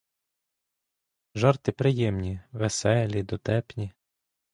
Жарти приємні, веселі, дотепні.